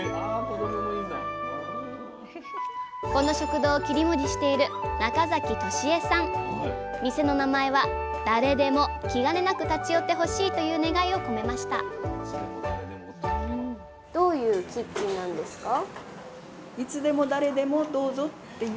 この食堂を切り盛りしている店の名前は誰でも気兼ねなく立ち寄ってほしいという願いを込めましたどういうキッチンなんですか？